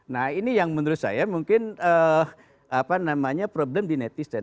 nah ini yang menurut saya mungkin problem di netizen